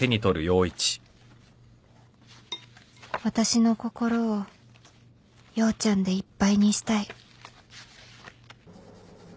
私の心を陽ちゃんでいっぱいにしたい